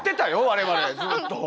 我々ずっと。